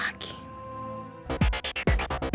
anak itu kemana lagi